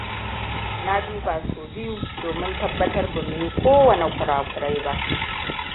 Na duba sau biyu domin tabbatar bamu yi kowani kurakurai ba.